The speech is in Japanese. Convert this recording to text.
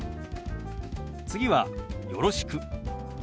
次は「よろしく」。